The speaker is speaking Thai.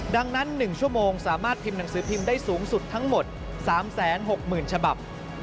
ดังนั้น๑ชั่วโมงสามารถพิมพ์หนังสือพิมพ์ได้สูงสุดทั้งหมด๓๖๐๐๐ฉบับ